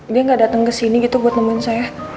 dia gak dateng kesini gitu buat nemuin saya